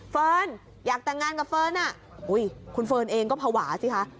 เฟิร์นอยากแต่งงานกับเฟิร์นคุณเฟิร์นเองก็ภาวะสิคะ